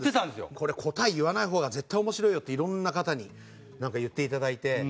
「これ答え言わない方が絶対面白いよ」っていろんな方になんか言っていただいて。